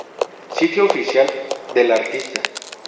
Sitio oficial de la artista